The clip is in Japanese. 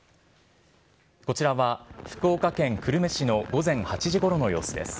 こちらは福岡県久留米市の午前８時ごろの様子です。